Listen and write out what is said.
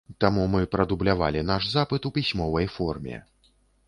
Таму мы прадублявалі наш запыт у пісьмовай форме.